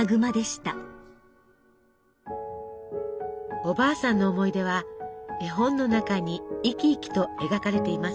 おばあさんの思い出は絵本の中に生き生きと描かれています。